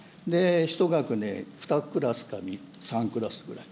１学年２クラスか３クラスぐらい。